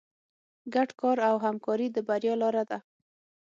ګډ کار او همکاري د بریا لاره ده.